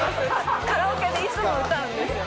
カラオケでいつも歌うんですよ。